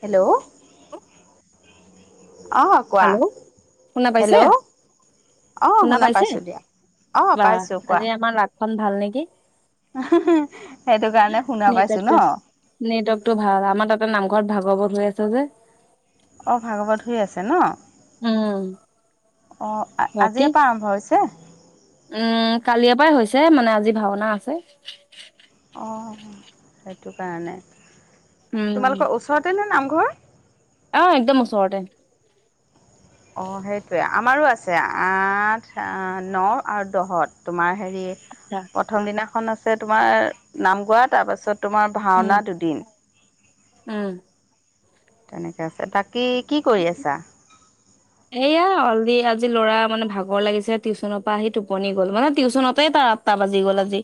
Hello অ কোৱা hello শোনা পাইছে হেল্ল' অ শুনা পাইছে পাইছো দিয়া অ বাহ পাইছো কোৱা আজি আমাৰ লাকখন ভাল নেকি সেইটো কাৰণে শুনা পাইছো ন নেটৰ্কটো নেটৱৰ্ক টো ভাল আমাৰ তাতে নাম ঘত ভাগৱত হৈ আছে যে অঁ ভাগৱত হৈ আছে ন উম অঁ বাকী আজিৰে পৰা আৰম্ভ হৈছে। উম কালিৰ পৰাই হৈছে মানে আজি ভাওনা আছে। অঁ সেইটো কাৰণে উম তোমালোকৰ ওচৰতে নে নামঘৰ? আহ একদম ওচৰতে। অ সেইটোৱে আমাৰো আছে আঠ ন আৰু দহত তোমাৰ হেৰি প্ৰথম দিনাখন আছে তোমাৰ নাম গোৱা তাৰপাছত তোমাৰ উম ভাওনা দুদিন। উম তেনেকে আছে বাকী কি কৰি আছা? এয়া অলদি আজি ল'ৰা মানে ভাগৰ লাগিছে টিউচনৰ পৰা আহি টোপনি গ'ল মানে টিউশনতে ত আঠটা বাজি গ'ল আজি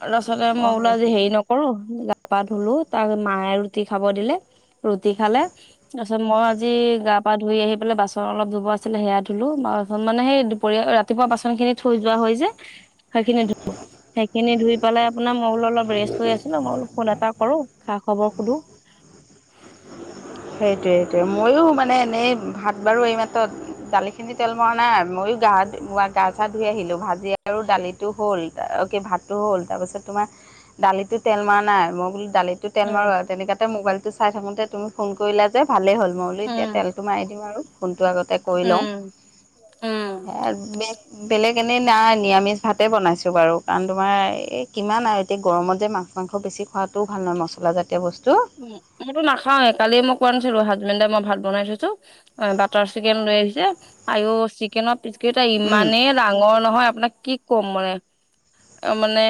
আৰু ল'ৰা ছোৱালীতে অ মই ওলো আজি সেইটোৱে হেৰি নকৰো। গা পা ধুলো তাৰ মায়ে ৰুটি খাব দিলে ৰুটি খালে তাৰ পিছত মই আজি গা পা ধুই আহি পেলাই বাচ অলপ ধুব আছিলে সেয়া ধুলো বাচন মানে সেই দুপৰীয়া ৰাতিপুৱা বাচন খিনি থৈ যোৱা হৈ যায়। সেইখিনি ধু সেইখিনি ধুই পেলাই আপোনাৰ মই বোলো অলপ ৰেষ্ট হৈ আছিলো মই অলপ ফোন এটা কৰো খা খবৰ সোধো সেইটোৱে সেইটোৱে মইও মানে এনেই ভাত বাৰু এইমাত্ৰ দালিখিনি তেল মৰা নাই ময়ো গা ভাত গা চা ধুই আহিলোঁ ভাজি আৰু দালিটো হ'ল ভাতটো হ'ল তাৰপিছত তোমাৰ দালি তেল মৰা নাই মই বোলো দালিটো তেল মাৰো উম আৰু তেনেকাাতে মোবাইলটো চাই থাকোঁতে তুমি ফোন কৰিলা যে ভালেই হ'ল। মইবুলো এতিয়া উম তেলটো মাৰি দিম আৰু ফোনটো আগতে কৰি লওঁ উম উম সে বেগ বেলেগ এনেই নাই নিৰামিষ ভাতে বনাইছো বাৰু কাৰণ তোমাৰ এই কিমান আৰু এতিয়া গৰমত যে মাছ মাংস বেছি খোৱাও ভাল নহ মছলাজাতীয় বস্তু উ মইটো নাখাওৱে কালি মোক কোৱা নাছিলো হাজবেণ্ডে মই ভাত বনাই থৈছো বাটাৰ চিকেন লৈ আহিছে আৰু চিকেনত পিছকেইটা উম, ইমানেই ডাঙৰ নহয় আপোনাক কি ক'ম মানে মানে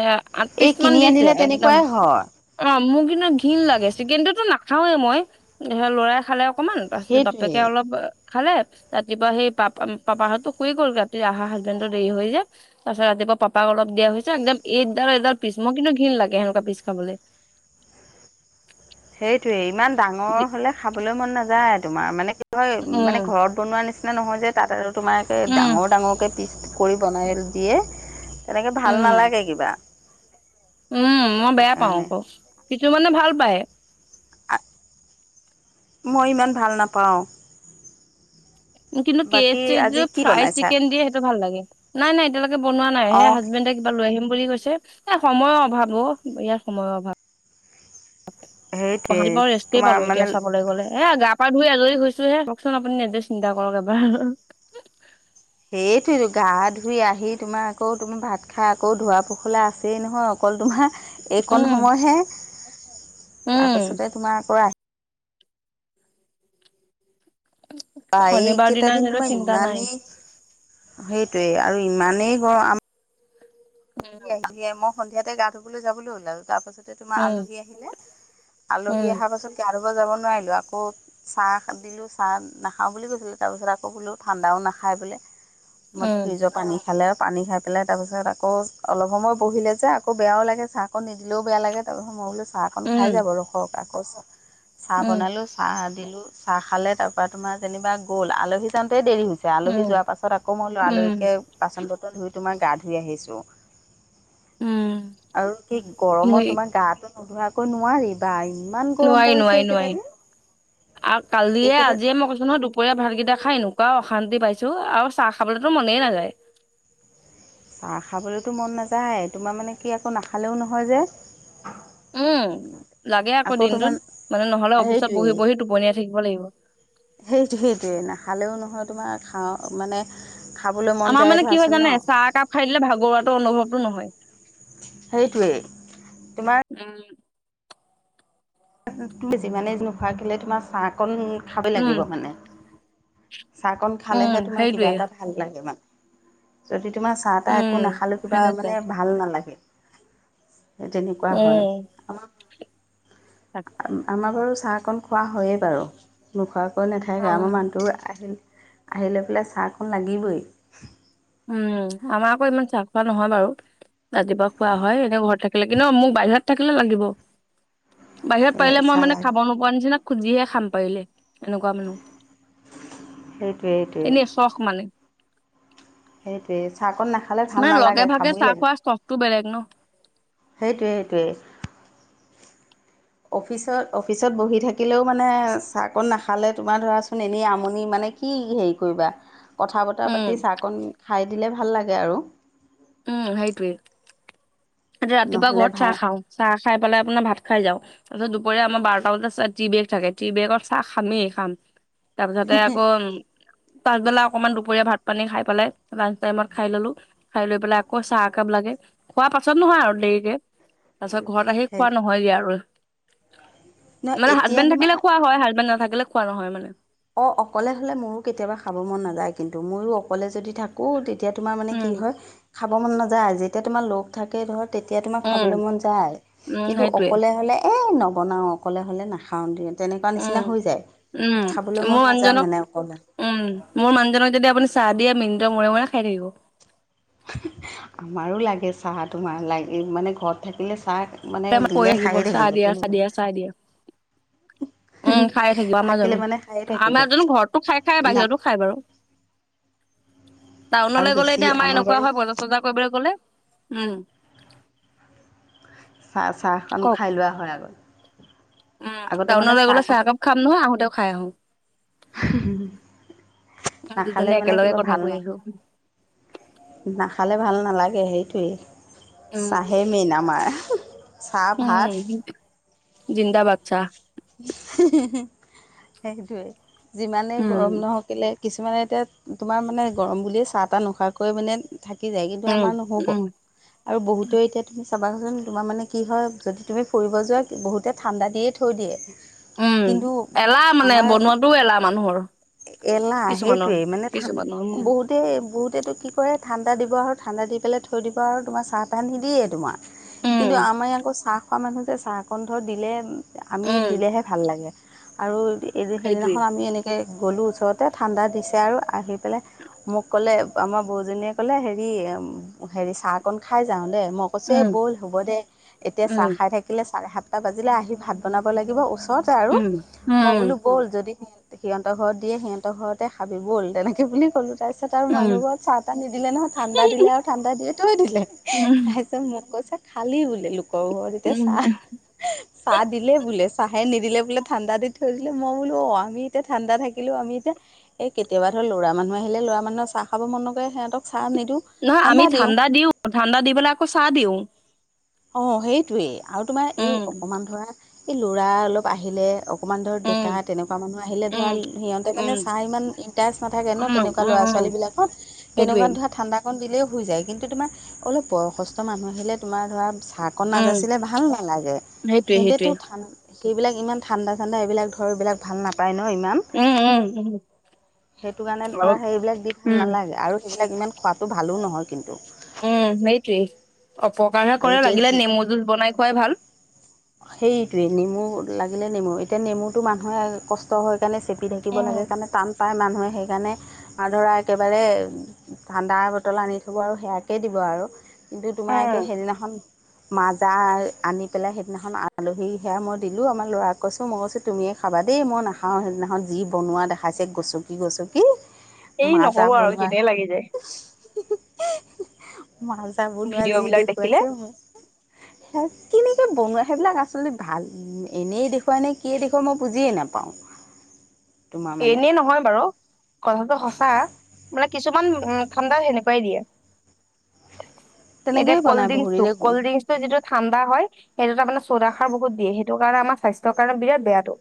আঠ এই পিছ মান কিনি দিছে আনিলে একদম তেনেকুৱাই হয় অ মোক কি ঘিণ লাগে চিকেন টো নাখাৱে মই স লৰাই খালে অকমান তাৰপিছ বাপেকে সেইটোৱে। অলপ খালে ৰাতিপুৱা সেই পাপা পাপাহতো শুইে গ'ল ৰাতি আহা হাজবেণ্ডো দেৰি হৈ যায় তাৰ পাছত ৰাতি পাপাক অলপ দিয়া হৈছে একদম এইডাল এডাল পিচ মোৰ কিন্তু ঘীণ লাগে সেনেকুৱা পিছ খাবলৈ। [unintelligible] সেইটোৱে ইমান ডাঙৰ হলে খাবলৈ মন নাযায় তোমাৰ মানে হয় হয় মানে উম, ঘৰত বনোৱাৰ নিচিনা নহয় যে তাত আৰু তোমাৰোকে উম, ডাঙৰ ডাঙৰকে পিছ কৰি বনাই দিয়ে তেনেকে ভাল উম। নালাগে কিবা উম মই সেইটো বেয়া পাওঁ কাৰণে আকৌ কিছুমানে ভাল পায়। মই ইমান ভাল নাপাওঁ। কিন্তু কে বাকী আজি চ কি ফ্ৰাই বনাইছা চিকেন দিয়ে সেইটো ভাল লাগে নাই নাই এতিয়ালৈকে বনোৱা নাই সে অঁ হাজবেণ কিবা লৈ আহিম বুলি কৈছে এ সময়ৰ অভাৱ অ ইয়াৰ সময়ৰ অভাৱ সেইটোৱে গুৱাহাটী পৰা ৰেষ্টেই তোমাৰ পালো মানে এতিয়া চাবলৈ গলে। এ গা পা ধুই আজৰি হৈছো হে কওকচোন আপুনি নিজে চিন্তা কৰক এবাৰ সেইটো গা ধুই আহি তোমাৰ আকৌ তুমি ভাত খাই আকৌ ধোৱা পোখলা আছেই নহয় অকল তোমাৰ এইকণ উম, সময়হে উম তাৰপাছত তোমাৰ আ প এই শনিবাৰ কেইটা দিনা দিন সেইটো তোমাৰ চিন্তা নাই। ইমানেই সেইটোৱে আৰু ইমানেই গৰম আমাৰ আহিলাই মই সন্ধিয়াতে গা ধুবলৈ যাবলৈ ওলালো তাৰপাছত তোমাৰ উম, আলহী আহিলে আলহী উম, আহা পাছত যাব নোৱাৰিলো আকৌ চাহ, দিলো চাহ নাখাওঁ বুলি কৈছিলো তাৰপিছত আকৌ বোলো ঠাণ্ডাও নাখা খাই পেলাই ম উম, ফ্ৰ্ৰীজৰ পানী খালে আৰু পানী খাই পেলাই তাৰপিছত আকৌ অলপ সময় বহিলে যে আকৌ বেয়াও লাগে চাহ অকণ নিদিলেও বেয়া লাগে তাৰপিত ম বো চাহক খাই উম, যাবৰখক। আকৌ চাহ চাহ উম, বনালো চাহ, দিলো। চাহ খালে তাৰ পা তোমাৰ যেনিবা গল আলহী যাওঁতে দেৰি হ'ল আলহী উম, যোৱাৰ পাছত আকৌ মই উম, লৰালৰিকে বাচন বটন ধুই তোমাৰ গা ধুই আহিছো। উম। আৰু কি গৰমত তোমাৰ গা টো নোধোৱাকৈ নোৱাৰি বা ইমান গৰম নোৱাৰি পৰিছে নোৱাৰি এইকেইটা নোৱাৰি। দিন আৰ কালিয়ে এইকেইটা আজিয়ে মই কৈছো নহয় দুপৰীয়া ভাতকেইটা খাই নো- এনেকুৱা অশান্তি পাইছো আৰু চাহ খাবলৈতো মনেই নাযায়- চাহ খাবলৈতো মন নাযায় তোমাৰ মানে কি আকৌ নাখালেও নহয় যে। উম লাগে আকৌ দিনটোত মানে নহলে অফিচত বহি সেইটোৱেই বহি টোপনিয়াই থাকি লাগিব [unintelligible] সেইটো সেইটোৱেই নাখালেও নহয় তোমাৰ খাওঁ মানে। খাবলৈ মন আমাৰ যায় মানে কি হয় ধৰাচোন ন জানে চাহ একাপ খাই দিলে ভাগৰুৱাটো অনুভৱটো নহয়। সেইটোৱেই তোমাৰ- উম যিমানে নোখোৱা কেলে তোমাৰ চাহ কন খাবই উম লাগিব মানে। চাহকন উম খালেহে তোমাৰ কিবা সেইটোৱে এটা ভাল লাগে মানে যদি। তোমাৰ চাহ তাহ উম একো নাখালো কিবা সেনেকুৱাই মানে ভাল নালাগে। সেই তেনেকুৱা হয়। উম আমাৰ তাকে আমাৰ বাৰু চাহ কন খোৱা হয়েই বাৰু নোখোৱাকৈ নাথাকে আমাৰ উম মানুহটো আহে- আহিলে বোলে চাহকন লাগিবই- উম আমাৰ আকৌ ইমান চাহ খোৱা নহয়। বাৰু- ৰাতিপুৱা খোৱা হয় এনে ঘৰত থাকিলে কিন্তু মোক বাহিৰত থাকিলে লাগিব- বাহিৰত পাৰিলে মই চাহ মানে লাগ খাব নোপোৱাৰ নিচিনা খুজিহে খাম পাৰিলে- এনেকুৱা মানুহ সেইটোৱে সেইটোৱে এনেই চখ মানে। সেইটোৱে চাহকন নাখালে ভাল মানে লগে নালাগে ভাগে খাবই চাহ লাগে। খোৱা চখটো বেলেগ ন সেইটোৱে সেইটোৱে- [unintelligible] অফিচত অফিচত বহি থাকিলেও মানে চাহ কণ নাখালে তোমাৰ ধৰাচোন এনেই আমনি মানে- কি হেৰি কৰিবা কথা বতৰা উম পাতি চাহকণ খাই দিলে ভাল লাগে আৰু- উম সেইটোৱে এতিয়া ৰাতিপুৱা নহ'লে ঘৰত ভাল চাহ খাওঁ চাহ- খাই পেলাই আপোনাৰ ভাত খাই যাওঁ তাৰপিছত দুপৰীয়া আমাৰ বাৰটা বজাত টি বেগ থাকে টি বেগত চাহ খামেই খাম। তাৰপিছতে আকৌ- পাছবেলা অকমান দুপৰীয়া ভাত পানী খাই পেলাই লাচ টাইমত খাই ললো খাই লৈ পেলাই আকৌ চাহ একাপ লাগেই- খোৱা পাছত নহয় আৰু দেৰিকে তাৰ পাছত ঘৰত আহি সেই খোৱা নহয়গে আৰু- ন মানে এতিয়া হাজবেণ্ড তোমাৰ থাকিলে খোৱা হয় হাজবেণ্ড নাথাকিলে খোৱা নহয় মানে- অ অকলে হলে মোৰো কেতিয়াবা খাব মন নাযায় কিন্তু মইয়ো অকলে যদি। থাকো তেতিয়া তোমাৰ মানে কি উম হয় খাব মন নাযায় যেতিয়া তোমাৰ লগ থাকে ধৰক- তেতিয়া তোমাৰ খাবলৈ উম মন যায় উম কিন্তু সেইটোৱে অকলে হ'লে এ- নবনাও অকলে হ'লে নাখাওঁ দে তেনেকুৱা নিচিনা উম হৈ যায়। উম খাবলৈ মোৰ মন নাযায় মানুহজনক মানে অকলে উম মোৰ মানুহজনক যদি আপুনি চাহ দিয়া মিনিটৰ মূৰে মূৰে খাই থাকিব। আমাৰো লাগে চাহ তোমাৰ লাগে মানে ঘৰত থাকিলে তাক মানে কৈ দিলে খায়ে চাহ থাকিব দিয়া চাহ দিয়া চাহ দিয়া তেনেকুৱা- উম, খাই থাকিব [unintelligible] আমাৰজনো। থাকিলে মানে খায়ে থাকিব আমাৰজনো ঘৰতো খাই খাই নাপ বাহিৰতো টাউনলে গ'লে এতিয়া আমাৰ এনেকুৱা হয় বজাৰ চজাৰ কৰিবলৈ গ'লে। উম চাহ চাহ কন কওক খাই লোৱা হয় আগত উম, আগতে মানে টাউনলৈ গ'লে চাহকন চাহ একাপ খাম নহয় আহোতেও খাই আহো। নাখালে দুজনে মানে একেলগে কিবা কথা ভাল কৈ নহ আছো নাখালে ভাল নালাগে এ সেইটোৱেই উম, চাহেই মেইন আমাৰ চাহ উম, ভাত জিন্দাবাদ চাহ সেইটোৱে যিমানেই উম, গৰম নহক কেলে- কিছুমানে এতিয়া তোমাৰ মানে গৰম বুলিয়েই চাহ তাহ নোখোৱাকৈ মানে- থাকি যায়। কিন্তু উম, আমাৰ নহ'ব উম, আৰু বহুতো এতিয়া তুমি চাবাচোন তোমাৰ মানে কি হয়। যদি তুমি ফুৰিব যোৱা বহুতে ঠাণ্ডা দিয়েই থৈ দিয়ে। উম কিন্তু এলাহ মানে আমাৰ বনোৱাটোও এলাহ মানুহৰ- এলাহ কিছুমানৰ সেইটোয়েই মানে ঠাণ্ড কিছুমানৰ উম, বহুতে বহুত- এইটো কি কয় ঠাণ্ডা দিব আৰু ঠাণ্ডা দি পেলাই থৈ দিব আৰু তোমাৰ চাহ তাহ নিদিয়ে তোমাৰ- উম, কিন্তু আমাৰ আকৌ চাহ খোৱা মানুহ যে চাহ, অকন দিলে আমি- উম, দিলেহে ভাল লাগে আৰু সেইটোৱে সেইদিনাখন আমি এনেকৈ- গ'লোঁ ওচৰতে ঠাণ্ডা, দিছে আৰু আহি পেলাই মোক ক'লে আমাৰ বৌজনীয়ে ক'লে হেৰি হেৰি চাহ অকণ খাই যাওঁ দেই। মই কৈছোঁ উম। এই ব'ল হ'ব দে এতিয়া চাহ উম, খাই থাকিলে চাৰে সাতটা বাজিলে আহি ভাত বনাব লাগিব। ওচ তে আৰু উম, মই উম, বোলো ব'ল যদি সিহতৰ ঘৰত দিয়ে সিহতৰ ঘৰতে খাবি ব'ল তেনেকে বুলি ক'লো তাই তাৰপিছত আৰু উম, মানুহ ঘৰত চাহ তাহ নিদিলে নহয় ঠাণ্ডা দিলে আৰু ঠাণ্ডা দিয়ে থৈ দিলে উম, তাৰপিছত মোক কৈছে। খালি বোলে লোকৰ ঘৰত এতিয়া উম, চাহ চাহ দি চাহে নিদিলে বোলে ঠাণ্ডা, দি থ দিলো মই বোলো অ আমি এতিয়া ঠাণ্ডা থাকিলো আমি এতিয়া এই কেতিয়াবা ধৰ লৰা মানুহ আহিলে লৰা মানুহৰ চাহ খাব মন নৰে সিহঁতক- নহয় আমি ঠাণ্ডা দিওঁ ঠাণ্ডা দি পেল আকৌ চাহ, দিও অ সেইটোৱেই আৰু তোমাৰ এই উম, অকমান ধৰা এই ল'ৰা অলপ আহিলে- অকণমান ধৰ উম, ডেকা তেনেকুৱা মানুহ আহিলে ধৰা উম, সিহঁতে মানে উম, ছাৰ ইমান ইণ্টাৰেষ্ট নাথাকে ন উম, তেনেকুৱা উম, ল'ৰা উম, ছোৱালী- ছোৱালী বিলাকৰ সেইটোৱে। তেনেকোৱাত ধৰা ঠাণ্ডা অকণ দিলেও হৈ যায় কিন্তু তোমাৰ অলপ বয়সস্থ মানুহ আহিলে তোমাৰ ধৰা চাহকণ উম, নাজাচিলে ভাল নালাগে সেইটোৱে সিহঁতেটো সেইটোৱে ঠাণ্ডা সেইবাক ইমান ঠাণ্ডা চাণ্ডা এইবিলাক ধৰ এইবিলাক ভাল নাপায় নাই। অ ইমান উম, উম, উম সেইটো কাৰণে আৰু ধৰা সেই বিলাক দি ভাল উম, নালাগে আৰু এইবিলাক ইমান খোৱাটো ভালো নহয় কিন্তু উম সেইটোৱেই অপকাৰহে আৰু কৰে এতিয়া লাগিলে যি নেমু যোচ বনাই খোৱাই ভাল। সেইটোৱে নেমু লাগিলে নেমু এতিয়া নেমুতটো মানুহে কষ্ট হয়। চেপি থাকিব উম, লাগে কাৰণে টান পায় মানুহে- সেইকাৰণে আৰু ধৰা একেবাৰে ঠাণ্ডা, বটল আনি থ'ব আৰু সেয়াকেই দিব আৰু কিন্তু তোমাৰ উম, একে সেইদিনাখন মাজাৰ আনি পেলাই সেইদিনাখন আলহী সেয়া মই দিলোঁ আমাৰ ল'ৰাক কৈছোঁ মই কৈছো তুমিয়েই খাবা দেই মইাখাওঁ সেইদিনা যি বন- বনোৱা দেখাইছে গচকি গচকি এই মাজা নকব আৰু বনোৱা। ঘিনেই লাগি যায় মাজা বনোৱা ভিডিঅ' যি বিলাক দেখিলে। দেখুৱাইছে মোক- [inaudible] স কেনেকৈ বনোৱা সেইবিলাক আচলতে ভাল এনেই দেখুৱাই নে কিয়েই দেখুৱাই মই বুজিয়ে নাপাওঁ। তোমাৰ মানে এনেই নহয় বাৰু কথাটো সঁচা মানে কিছুমান ঠাণ্ডা সেনেকুৱাই দিয়ে। এতিয়া তেনেকেই কল্ড বনাই ড্ৰিংকচ টো বহুৰিৰে কল্ড ড্ৰিংকচ টো যিটো ঠাণ্ডা হয়। সেইটো তাৰমানে চৌদাখাৰ বহুত দিয়ে সেইটো কাৰণে আমাৰ স্বাস্থ্যৰ কাৰণে বিৰাট বেয়াটো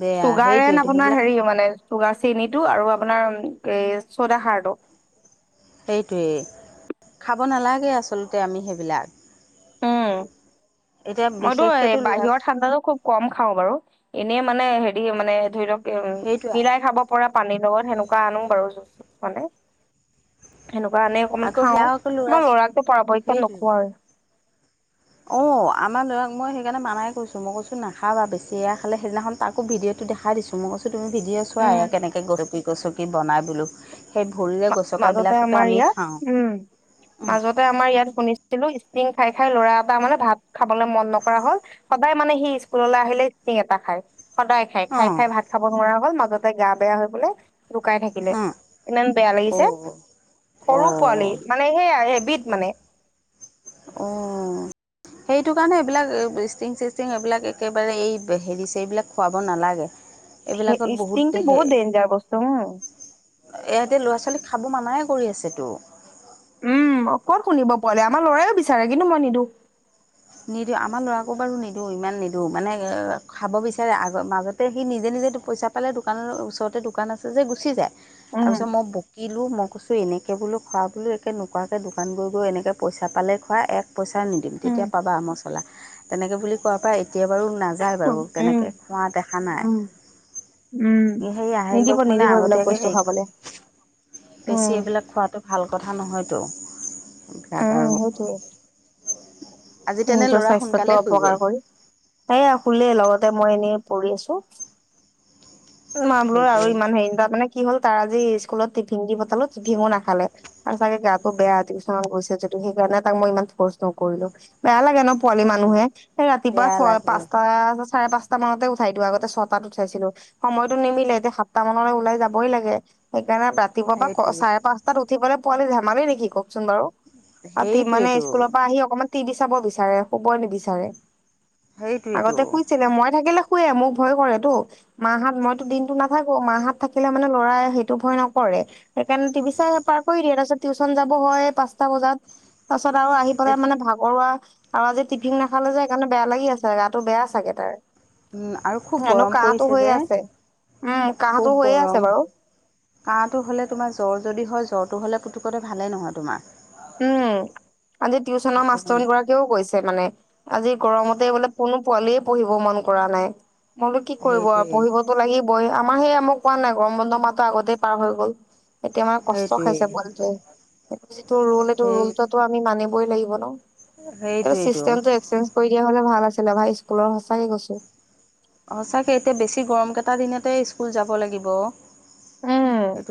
বেয়া চুগাৰ এন সেইটোয়েইটো। আপোনাৰ হেৰি মানে চুগা চেনিটো আৰু আপোনাৰ এই চৌদাহাৰটো। সেইটোৱেই খাব নালাগে আচলতে আমি সেইবিলাক উম এতিয়া মইতো এই বিশেষকেতো ল'ৰা বাহিৰৰ ঠাণ্ডাতটো খুব কম খাওঁ বাৰু এনেই মানে হেৰি মানে ধৰি লওক সেইটোৱে মিৰাই খাব পৰা। পানীৰ লগত সেনেকুৱা আনো বাৰু য জোচ তোচ মানে সেনেকুৱা আনে অকমান আকৌ খাওঁ, সেয়া আকৌ ল'ৰা আমাৰ লৰাকতো পৰাপক্ষত নোখোৱা। আৰু- অ আমাৰ লৰাক মই সেইকাৰণে মানাই কৈছো মই কৈছো নাখাবা বেছি এয়া খালে সেইদিনাখন তাকো ভিডিঅ'- দেখাই দিছো মই কৈছোঁ তুমি ভিডিঅ চোৱা উম এনেকৈ কৈছো কি বাই বো সেই ভৰিৰে মা মাজতে গচকাবিলাককে আমাৰ আমি ইয়াত খাওঁ উম অঁ মাজতে আমাৰ ইয়াত শুনিছিলো ষ্টিং খাই খাই লৰা এটা মানে ভাত খাবলৈ মন নকৰা হল সদায় মানে সি স্কুললৈ আহিলে ষ্টিং এটা খায়। সদায় খাই খাই অঁ খাই ভাত খাব নোৱাৰা হল মাজতে গা বেয়া হৈ বোলে লুকাই থাকিলে ইমান বেয়া লাগিছে অঁ সৰু পোৱালি মানে সেইয়াই হেবিধ মানে অ [inaudible] সেইটো কাৰণে এইবিলাক ষ্ট্ৰিং চিষ্ট্ৰিং এইবিলাক একেবাৰে এই হেৰি চ এইবিলাক খুৱাব নালাগে। ষ্টিংটো বহুত ডেনজাৰ বস্তু উম এইতি ল'ৰা ছোৱালীক খাব মানাই কৰি আছেতো। উম ক'ত শুনিব পোৱালে আমাৰ লৰাও বিচাৰে কিন্তু মই নিদওঁ নিদিওঁ আমাৰ লৰাবোৰকো বাৰু নিদিওঁ ইমান নিদি মানে এ খাব বিচাৰে আগ মাজতে সি নিজে নিজ পইচা পালে দোকানৰ ওচৰতে দোকান আছে যে গুচি যায় উম। তাৰপিছত মই বকিলো মোক কৈছোঁ এনেকৈ বোলো খোৱা বোলো একে নোখোৱাকৈ দোকান গৈ গৈ এনেকৈ পইচা পালেই খোৱা এক পইচা নিদিম উম তেতিয়া পাবা মছলা, তেনেকে বুলি কোৱা পৰা এতিয়া বাৰু না যায় বাৰু উম তেনেকৈ খোৱা দেখা নাই উম উম। সেই আইও নিদিব দব মানে নিদিব এইবিলাক আগতীয়াকে বস্তু সেই খাবলে বেছি উম এইবিলাক খোৱাতো ভাল কথা নহয়তো বিৰাক উম আৰু সেইটোয়ে আজি তেনে নিজৰ ল'ৰা স্বাস্থ্যতো সোনকালে শুই অপকাৰ গ'ল কৰি এইয়া খুলেই লগত মই এনেই পৰি আছো মা বোলৰ আৰু সেইটোৱে ইমান হেৰি তাৰ মানে কি হ'ল তাৰ আজি স্কুলত টিফিং দি পঠালো টিফিঙো নাখালে আৰু গাতটো বেয়া টিউশন গৈছে সেইকাৰণে তাক মই ইমান ফৰ্চ নকৰিলো বেয়া লাগে ন পোৱালি মানুহে এই ৰাতিপুৱা বেয়া ছয় লাগে পাঁচটা চাৰে পাঁচটা মানতে উঠাই দিওঁ আগতে ছটাত উঠাইছিলো সময়তো নিমিলে এতিয়া সাতটা মানলৈ ওলাই যাবই লাগে সেইকাৰণে ৰাতিপুৱা সেইটোৱে চাৰে পাঁচটাত উঠিবলৈ পোৱালি ধেমালি নেকি কওকচোন বাৰু আৰু মানে সেইটোৱেইটো স্কুলৰ পৰা আহি অকমান টতি বি চাব বিচাৰে শুব নিবিচাৰে সেইটোৱেইটো আগতে শুইছিলে মই থাকিলে শে মোক ভয় কৰে তটো মাহত মইতো দিনটো নাথাকো মাহত থাকিলে মানে ল'ৰাই সেইটো ভয় নকৰে সেইণে টিভি চাই পাৰ কৰি দিয়ে তাৰ পিছত টিউচন যাব হয় পাঁচটা বজাত তাৰ পিছত আৰু আহি পেলাই মানে ভাগৰুৱা আৰু আজি টিফিন নাখালে যে সেইকাৰণে বেয়া লাগি আছে গাটো বেয়া চাগে তাৰ আৰু খুব হনো গৰম কাহটো পৰিছে হৈয়ে যে আছে উম খুব কাহটো হৈয়ে গৰম আছে বাৰু কাহটো হ'লে তোমাৰ জ্বৰ যদি হয় জ্বৰটো হ'লে পুতুকতে ভালে নহয় তোমাৰ উম আজি টিউচনৰ মাষ্টৰ গৰাকীয়েও কৈছে মানে আজি গৰমতে বোলে কোনো পোৱালি পঢ়িব মন কৰা নাই মইতো কি কৰিব আৰু সেইটোৱেই পঢ়িবতো লাগিব। আমাৰ সেইয়া মোক কোৱা নাই গৰম বন্ধ মাহটো আগতেই পাৰ হৈ গ'ল। এতিয়া আমাৰ কষ্ট সেইটোৱেই খাইছে পোৱালিটোৱে সটো যিটো ৰোল সটো সেই ৰোলটো আমি মানিবই লাগিব ন এই সেইটোৱেইটো চিষ্টমটো এক্সচেঞ্জ কৰি দিয়া হলে ভাল আছিলে ভাই স্কুলৰ সঁচাকে কৈছো। সচাকে এতিয়া বেছি গৰম কেইটা দিনতে স্কুল যাব লাগিব। উম।